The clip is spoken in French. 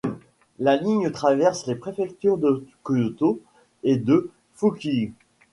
La ligne traverse les préfectures de Kyoto et de Fukui.